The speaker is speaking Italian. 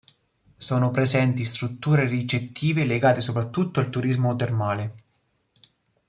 Sono presenti strutture ricettive legate soprattutto al turismo termale.